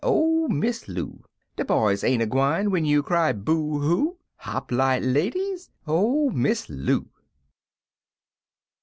Oh, Miss Loo! De boys ain't a gwine Wen you cry boo koo — Hop light, ladies, Oh, Miss Loo!